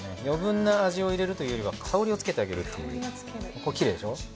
余分な味を入れるというよりは香りをつけてあげるという。